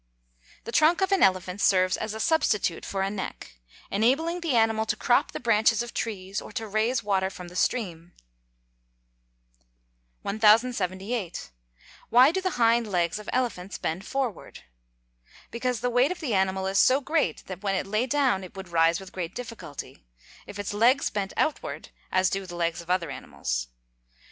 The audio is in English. _ The trunk of an elephant serves as a substitute for a neck, enabling the animal to crop the branches of trees, or to raise water from the stream. 1078. Why do the hind legs of elephants bend forward? Because the weight of the animal is so great, that when it lay down it would rise with great difficulty, if its legs bent outward, as do the legs of other animals.